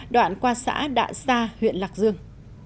đoạn qua xã đạ sa huyện lạc dương